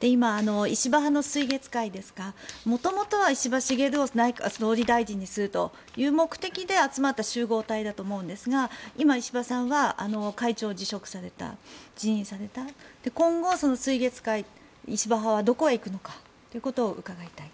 今、石破派の水月会は元々は石破茂を内閣総理大臣にするという目的で集まった集合体だと思うんですが今、石破さんは会長を辞職された、辞任された今後、水月会、石破派はどこへ行くのかということを伺いたい。